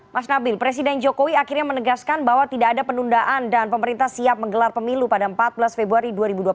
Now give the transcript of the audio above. mas nabil presiden jokowi akhirnya menegaskan bahwa tidak ada penundaan dan pemerintah siap menggelar pemilu pada empat belas februari dua ribu dua puluh empat